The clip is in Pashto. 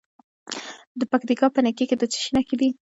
د پکتیکا په نکې کې د څه شي نښې دي؟